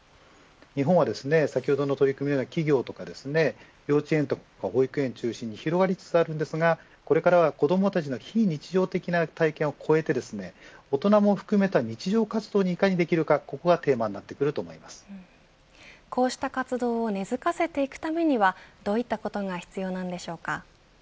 日本は、先ほどの取り組みのような企業や幼稚園や保育園を中心に広がりつつありますがこれからは子どもたちの非常的な体験を超えて大人も含めた日常活動にいかにできるかがテーマにこうした活動を根付かせていくためにはどういったことが必要なんでしょうか。